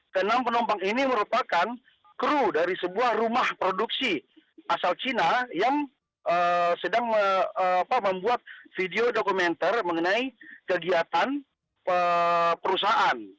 ke enam penumpang ini merupakan kru dari sebuah rumah produksi asal cina yang sedang membuat video dokumenter mengenai kegiatan perusahaan